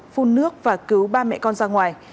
phun nước và cứu ba mẹ con ra ngoài